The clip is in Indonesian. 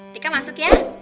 tika masuk ya